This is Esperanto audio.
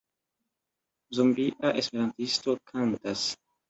Zombia esperantisto kantas.